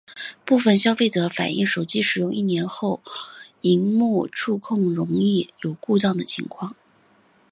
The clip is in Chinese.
部份消费者反应手机使用一年后萤幕触控容易有故障的情况。